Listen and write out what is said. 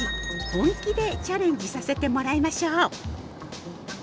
本気でチャレンジさせてもらいましょう。